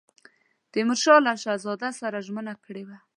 تیمورشاه له شهزاده سره ژمنه کړې وه.